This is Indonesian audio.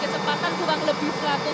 keterbatan kurang lebih seratus knot